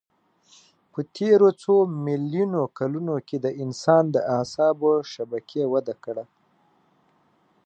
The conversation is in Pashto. په تېرو څو میلیونو کلونو کې د انسان د اعصابو شبکې وده کړه.